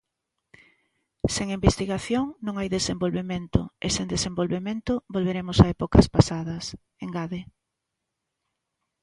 "Sen investigación non hai desenvolvemento e sen desenvolvemento volveremos a épocas pasadas", engade.